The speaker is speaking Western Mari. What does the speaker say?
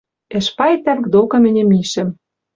Эшпай тӓнг докы мӹньӹ мишӹм.